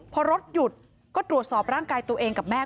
พอรถหยุดก็ตรวจสอบร่างกายตัวเองกับแม่